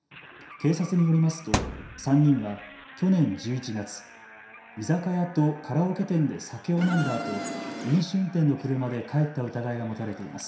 警察によりますと３人は去年１１月、居酒屋とカラオケ店で酒を飲んだあと、飲酒運転の車で帰った疑いが持たれています。